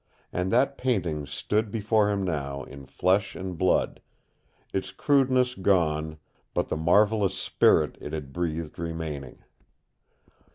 And that painting stood before him now in flesh and blood, its crudeness gone, but the marvelous spirit it had breathed remaining.